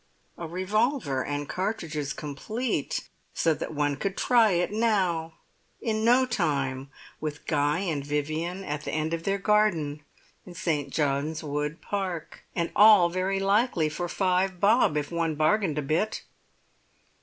A revolver and cartridges complete, so that one could try it now, in no time, with Guy and Vivian at the end of their garden in St. John's Wood Park! And all very likely for five bob if one bargained a bit!